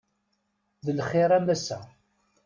D lxir a Massa.